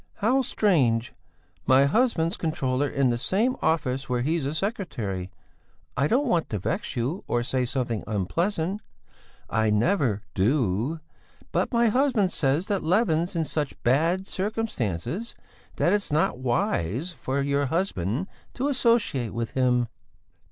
How strange! My husband's a controller in the same office where he's a secretary; I don't want to vex you, or say anything unpleasant; I never do; but my husband says that Levin's in such bad circumstances that it's not wise for your husband to associate with him."